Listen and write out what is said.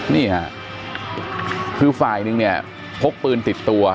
นี่ค่ะคือฝ่ายหนึ่งเนี่ยพกปืนติดตัว